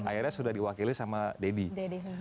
akhirnya sudah diwakili sama deddy